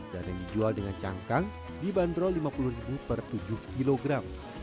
dan yang dijual dengan cangkang dibanderol rp lima puluh per tujuh kilogram